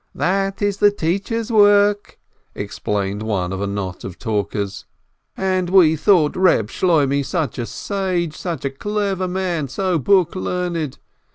"That is the teacher's work!" explained one of a knot of talkers. "And we thought Eeb Shloimeh such a sage, such a clever man, so book learned.